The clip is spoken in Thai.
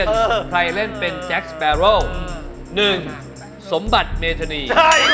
ไม่ใช่ไม่ใช่